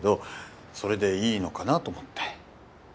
それでいいのかなと思って。